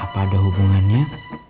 apa ada hubungannya